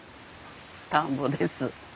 田んぼです。